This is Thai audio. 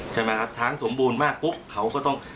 ใช่ไหมครับช้างสมบูรณ์มากปุ๊บเขาก็ต้อง